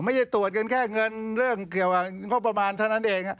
ไม่ได้ตรวจกันแค่เงินเรื่องเกี่ยวกับงบประมาณเท่านั้นเอง